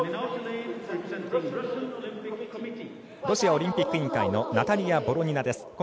ロシアオリンピック委員会のナタリア・ボロニナです。